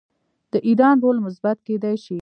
د ایران رول مثبت کیدی شي.